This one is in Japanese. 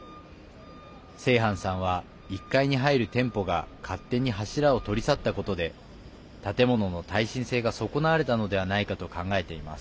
セイハンさんは１階に入る店舗が勝手に柱を取り去ったことで建物の耐震性が損なわれたのではないかと考えています。